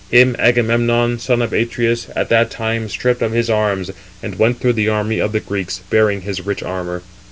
Him Agamemnon, son of Atreus, at that time stripped [of his arms], and went through the army of the Greeks, bearing his rich armour.